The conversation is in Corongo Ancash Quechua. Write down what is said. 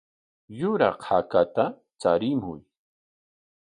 Yuraq hakata charimuy.